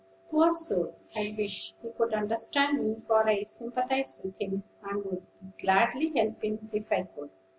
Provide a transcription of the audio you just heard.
Poor soul! I wish he could understand me; for I sympathize with him, and would gladly help him if I could."